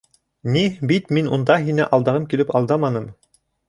— Ни, бит мин унда һине алдағым килеп алдаманым.